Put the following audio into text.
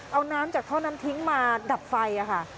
เอาน้ำจากท่อนั้นทิ้งมาดับไฟค่ะ